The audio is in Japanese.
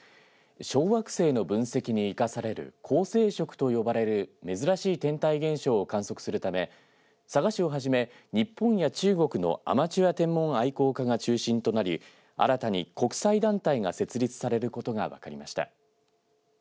小惑星の分析に生かされる恒星食と呼ばれる珍しい天体現象を観測するため佐賀市をはじめ、日本や中国のアマチュア天文愛好家が中心となり新たに国際団体が設立されることが分かりました。